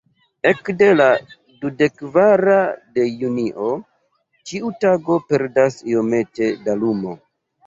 Ekde la dudekkvara de junio, ĉiu tago perdas iomete da lumo.